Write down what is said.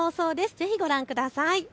ぜひご覧ください。